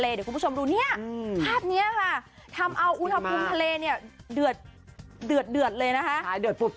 เดี๋ยวคุณผู้ชมดูเนี่ยภาพนี้ค่ะทำเอาอุณหภูมิทะเลเนี่ยเดือดเลยนะคะ